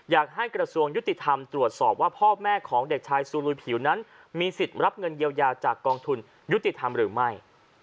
อยากให้กระทรวงยุติธรรมตรวจสอบว่าพ่อแม่ของเด็กชายซูลุยผิวนั้นมีสิทธิ์รับเงินเยียวยาจากกองทุนยุติธรรมหรือไม่